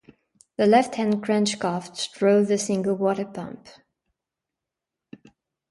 The left-hand crankshaft drove the single water pump.